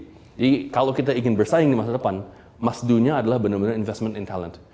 jadi kalau kita ingin bersaing di masa depan must do nya adalah benar benar investment in talent